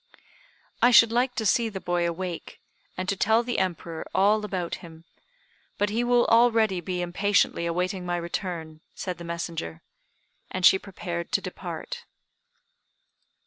"I should like to see the boy awake, and to tell the Emperor all about him, but he will already be impatiently awaiting my return," said the messenger. And she prepared to depart.